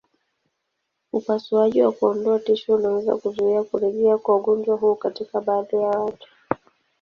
Upasuaji wa kuondoa tishu unaweza kuzuia kurejea kwa ugonjwa huu katika baadhi ya watu.